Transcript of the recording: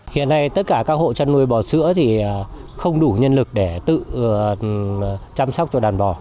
hiện nay tất cả các hộ chăn nuôi bò sữa không đủ nhân lực để tự chăm sóc cho đàn bò